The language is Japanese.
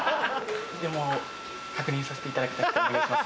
でも確認させていただきたくお願いします。